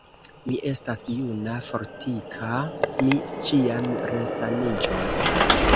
Mi estas juna, fortika; mi ĉiam resaniĝos.